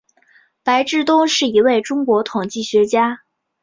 白志东是一位中国统计学家。